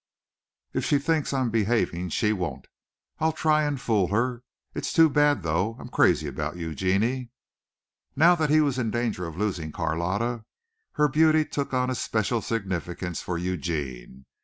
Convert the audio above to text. If she thinks I'm behaving, she won't. I'll try and fool her. It's too bad, though. I'm crazy about you, Genie." Now that he was in danger of losing Carlotta, her beauty took on a special significance for Eugene.